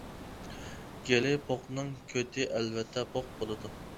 گېلى پوقنىڭ كۆتى ئەلۋەتتە پوق بولىدۇ.